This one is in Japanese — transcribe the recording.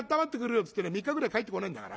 っつってね３日ぐらい帰ってこねえんだから。